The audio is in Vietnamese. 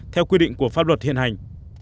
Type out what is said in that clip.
theo quy định của pháp luật hiện hành